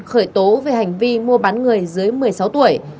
khởi tố về hành vi mua bán người dưới một mươi sáu tuổi